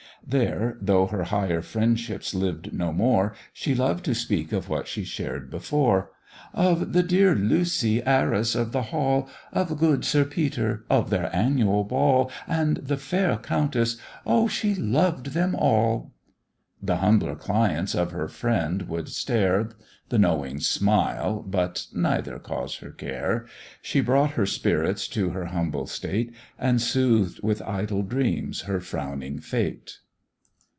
There, though her higher friendships lived no more, She loved to speak of what she shared before "Of the dear Lucy, heiress of the hall, Of good Sir Peter, of their annual ball, And the fair countess! Oh! she loved them all!" The humbler clients of her friend would stare, The knowing smile, but neither caused her care; She brought her spirits to her humble state, And soothed with idle dreams her frowning fate.